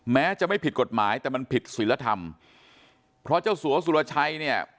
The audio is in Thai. แม้จะไม่ผิดกฎหมายแต่มันผิดศิลธรรมเพราะเจ้าสัวสุรชัยเนี่ย